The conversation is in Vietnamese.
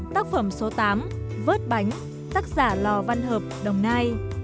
tác phẩm số tám vớt bánh tác giả lò văn hợp đồng nai